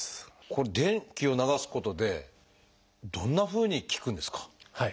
これ電気を流すことでどんなふうに効くんですか？